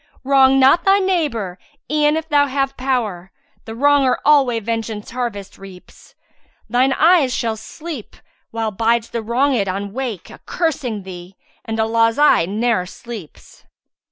'Wrong not thy neighbour e'en if thou have power; * The wronger alway vengeance harvest reaps: Thine eyes shall sleep, while bides the wronged on wake * A cursing thee; and Allah's eye ne'er sleeps.'"